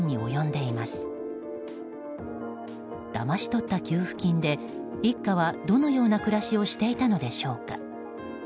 だまし取った給付金で一家はどのような暮らしをしていたのでしょうか。